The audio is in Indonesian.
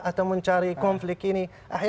atau mencari konflik ini